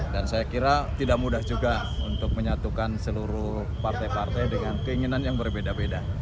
dan saya kira tidak mudah juga untuk menyatukan seluruh partai partai dengan keinginan yang berbeda beda